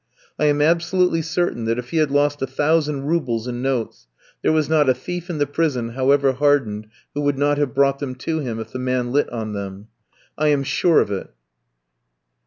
I am absolutely certain that if he had lost a thousand roubles in notes, there was not a thief in the prison, however hardened, who would not have brought them to him, if the man lit on them. I am sure of it.